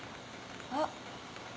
あっ。